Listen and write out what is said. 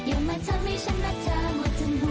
โอ้โฮ